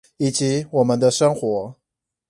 以及我們的生活